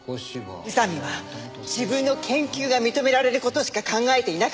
宇佐美は自分の研究が認められる事しか考えていなかったんです。